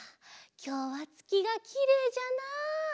きょうはつきがきれいじゃなあ。